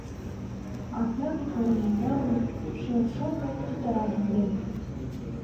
А келге корем ӱмбалне шӧр шоҥ гай тӱтыра лӱҥген.